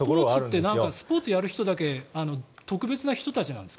スポーツってスポーツをやる人だけ特別な人なんですか？